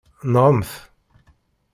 Nɣemt!